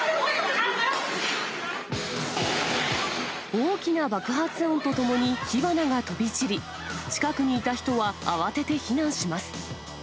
大きな爆発音とともに火花が飛び散り、近くにいた人は慌てて避難します。